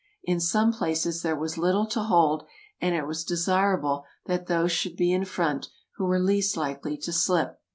In some places there was little to hold, and it was desirable that those should be in front who were least likely to slip.